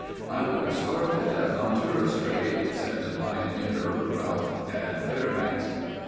"I would have starved to death on tourists' trade," said the pioneer Ralph (Dad) Fairbanks.